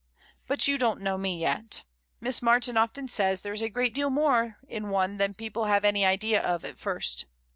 But you don't know me yet. Miss Martin often says there is a great deal more in one than people have any idea of at first.